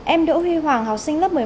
em đỗ huy hoàng học sinh lớp một mươi một